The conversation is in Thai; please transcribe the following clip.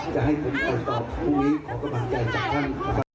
จะให้คุณตอบพรุ่งนี้ขอบคุณตอบใจจากท่าน